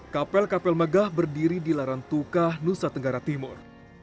kapel kapel megah berdiri di larantuka nusa tenggara timur